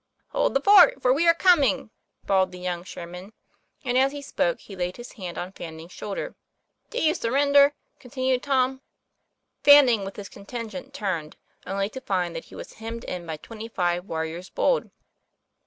"Hold the fort, for we are coming," bawled the young Sherman; and as he spoke he laid his hand on Fanning's shoulder. "Do you surrender?" continued Tom. Fanning with his contingent turned, only to find that he was hemmed in by twenty five warriors bold.